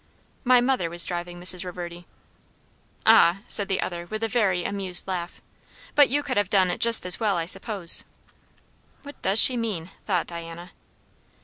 "My mother was driving, Mrs. Reverdy." "Ah?" said the other with a very amused laugh. "But you could have done it just as well, I suppose." What does she mean? thought Diana.